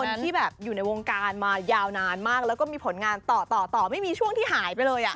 ซันนี่เป็นคนที่อยู่ในวงการมายาวนานมากแล้วก็มีผลงานต่อไม่มีช่วงที่หายไปเลย